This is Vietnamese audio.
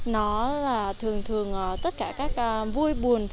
nó là thường thường tất cả các vui buồn